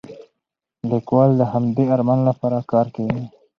لیکوال د همدې ارمان لپاره کار کوي.